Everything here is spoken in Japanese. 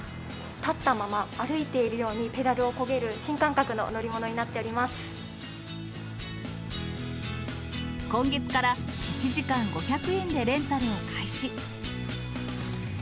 立ったまま、歩いているようにペダルをこげる、今月から１時間５００円でレンタルを開始。